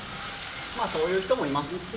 まあ、そういう人もいます。